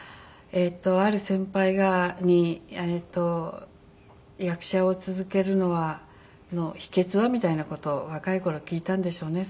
ある先輩に「役者を続ける秘訣は？」みたいな事を若い頃聞いたんでしょうね。